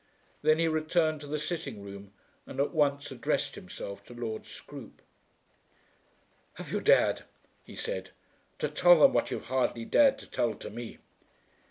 Then he returned to the sitting room and at once addressed himself to Lord Scroope. "Have you dared," he said, "to tell them what you hardly dared to tell to me?"